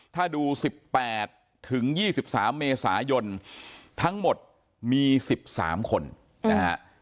ถ้าดู๑๘ถึง๒๓เมษายนทั้งหมดมี๑๓คนนะฮะ